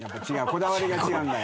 こだわりが違うんだよ。